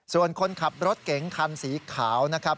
ส่วนคนขับรถเก๋งคันสีขาวนะครับ